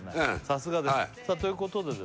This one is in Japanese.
さすがですということでですね